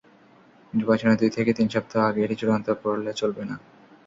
নির্বাচনের দুই থেকে তিন সপ্তাহ আগে এটি চূড়ান্ত করলে চলবে না।